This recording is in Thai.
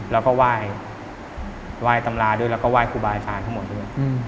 แล้วก็ไหว้ตำราด้วยแล้วก็ไหว้ครูบาอาจารย์ทั้งหมดด้วย